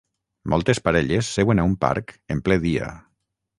Moltes parelles seuen a un parc en ple dia.